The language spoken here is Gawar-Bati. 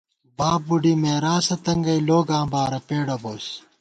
بابُوڈی مېراثہ تنگَئ ، لوگاں بارہ پېڈہ بوئیس